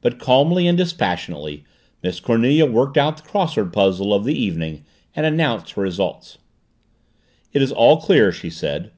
But calmly and dispassionately Miss Cornelia worked out the crossword puzzle of the evening and announced her results. "It is all clear," she said.